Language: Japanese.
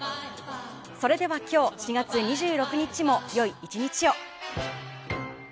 それでは今日、４月２６日も良い１日を。